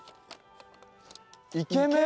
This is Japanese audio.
「イケメン」？